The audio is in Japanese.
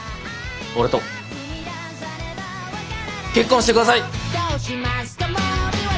俺と結婚して下さい！